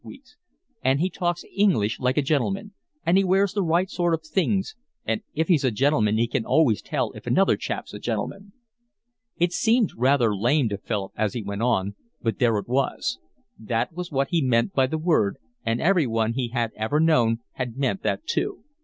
"And he talks English like a gentleman, and he wears the right sort of things, and if he's a gentleman he can always tell if another chap's a gentleman." It seemed rather lame to Philip as he went on, but there it was: that was what he meant by the word, and everyone he had ever known had meant that too.